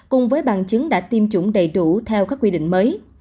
cùng với bằng chứng đã tiêm chủng đầy đủ theo các quy định mới